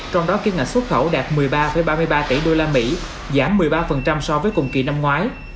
trong đó kim ngạch xuất khẩu đạt một mươi ba ba mươi ba tỷ usd giảm một mươi ba so với cùng kỳ năm ngoái